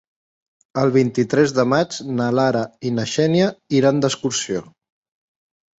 El vint-i-tres de maig na Lara i na Xènia iran d'excursió.